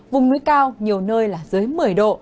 vùng núi cao nhiều nơi là dưới một mươi độ